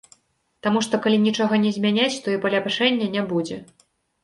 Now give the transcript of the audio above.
Таму што калі нічога не змяняць, то і паляпшэння не будзе.